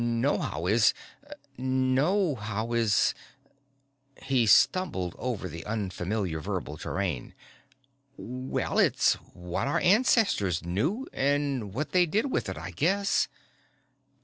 "Knowhow is knowhow is " he stumbled over the unfamiliar verbal terrain. "Well, it's what our ancestors knew. And what they did with it, I guess.